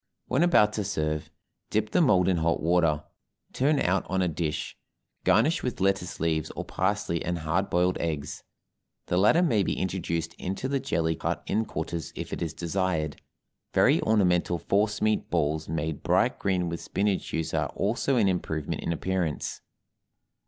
When about to serve, dip the mold in hot water, turn out on a dish, garnish with lettuce leaves or parsley and hard boiled eggs. The latter may be introduced into the jelly cut in quarters if it is desired; very ornamental force meat balls made bright green with spinach juice are also an improvement in appearance.